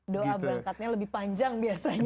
doa berangkatnya lebih panjang biasanya